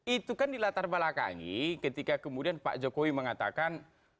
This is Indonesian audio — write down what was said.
itu kan dilatar belakangi ketika kemudian pak jokowi mengatakan